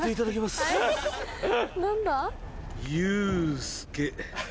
「ユウスケ」。